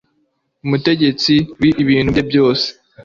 umutegetsi w’ibintu bye byose